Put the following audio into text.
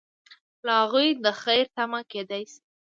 له هغوی د خیر تمه کیدای شي.